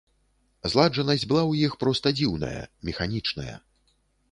Зладжанасць была ў іх проста дзіўная, механічная.